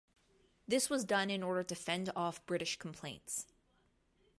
This was done in order to fend off British complaints.